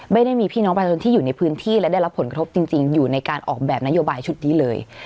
ไม่ได้มีพี่น้องประชาชนที่อยู่ในพื้นที่และได้รับผลกระทบจริงอยู่ในการออกแบบนโยบายชุดนี้เลย